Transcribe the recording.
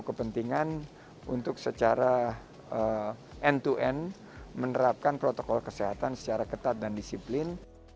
kepentingan untuk secara end to end menerapkan protokol kesehatan secara ketat dan disiplin